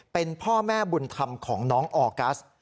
เป็นพ่อแม่บุญธรรมของน้องออกัส